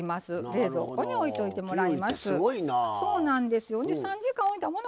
冷蔵庫に置いといてもらいます。